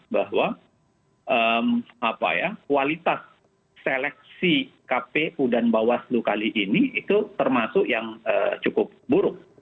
bahwa kualitas seleksi kpu dan bawaslu kali ini itu termasuk yang cukup buruk